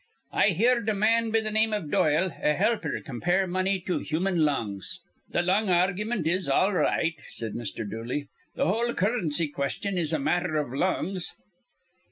"I heerd a man be th' name of Doyle, a helper, compare money to th' human lungs." "Th' lung argumint is all right," said Mr. Dooley. "Th' whole currency question is a matther iv lungs."